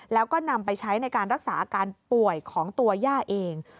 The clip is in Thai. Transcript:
แล้วก็นำไปใช้ในการรักษาอาการป่วยของตัวย่าเอง